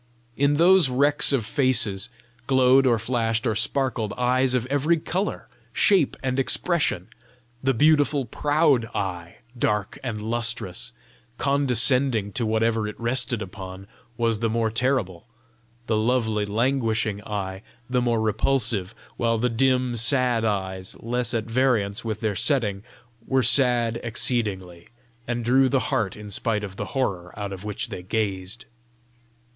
In those wrecks of faces, glowed or flashed or sparkled eyes of every colour, shape, and expression. The beautiful, proud eye, dark and lustrous, condescending to whatever it rested upon, was the more terrible; the lovely, languishing eye, the more repulsive; while the dim, sad eyes, less at variance with their setting, were sad exceedingly, and drew the heart in spite of the horror out of which they gazed.